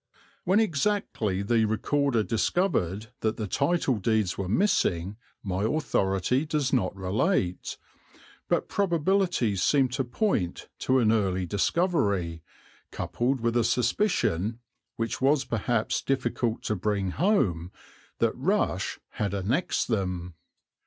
When exactly the Recorder discovered that the title deeds were missing my authority does not relate, but probabilities seem to point to an early discovery, coupled with a suspicion, which was perhaps difficult to bring home, that Rush had annexed them.